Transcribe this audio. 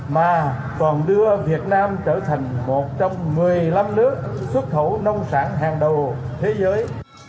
mà còn đưa việt nam trở thành một trong một mươi năm nước xuất khẩu nông sản hàng đầu thế giới